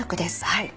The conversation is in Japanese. はい。